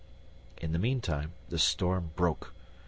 In the meantime the storm broke.